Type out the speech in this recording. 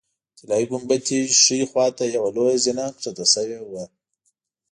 د طلایي ګنبدې ښي خوا ته یوه لویه زینه ښکته شوې ده.